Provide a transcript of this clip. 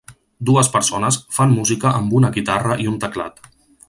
Dues persones fan música amb una guitarra i un teclat.